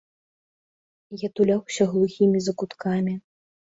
Я туляўся глухімі закуткамі.